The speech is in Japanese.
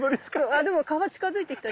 あでも川近づいてきたよ。